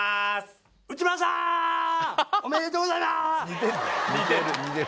内村さん！おめでとうございます！